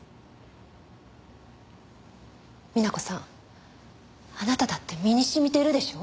美奈子さんあなただって身に染みてるでしょ？